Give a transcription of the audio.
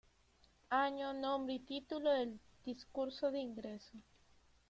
Año, nombre y título del discurso de ingreso